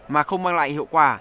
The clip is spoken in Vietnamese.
mà không mang lại hiệu quả